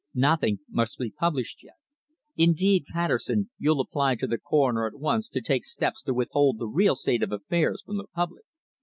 Nothing must be published yet. Indeed, Patterson, you'll apply to the Coroner at once to take steps to withhold the real state of affairs from the public.